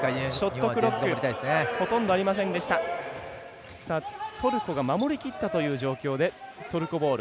トルコが守りきったという状況でトルコボール。